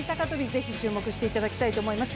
ぜひ、注目していただきたいと思います。